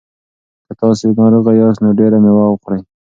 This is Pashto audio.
که تاسي ناروغه یاست نو ډېره مېوه خورئ.